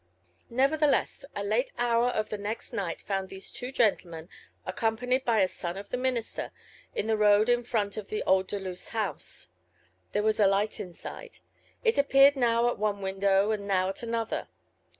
Nevertheless, a late hour of the next night found these two gentlemen, accompanied by a son of the minister, in the road in front of the old Deluse house. There was a light inside; it appeared now at one window and now at another.